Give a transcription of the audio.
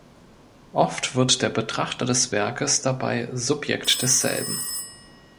Oft wird der Betrachter des Werkes dabei Subjekt desselben.